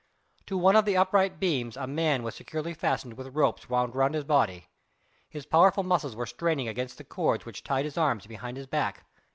To one of the upright beams a man was securely fastened with ropes wound round about his body. His powerful muscles were straining against the cords which tied his arms behind his back.